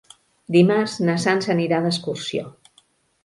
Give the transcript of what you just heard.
Dimarts na Sança anirà d'excursió.